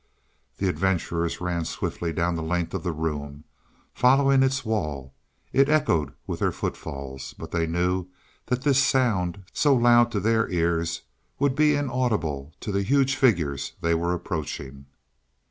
The adventurers ran swiftly down the length of the room, following its wall. It echoed with their footfalls, but they knew that this sound, so loud to their ears, would be inaudible to the huge figures they were approaching.